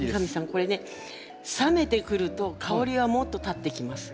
これね冷めてくると香りはもっとたってきます。